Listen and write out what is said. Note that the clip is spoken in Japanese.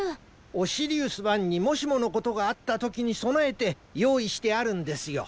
オシリウス１にもしものことがあったときにそなえてよういしてあるんですよ。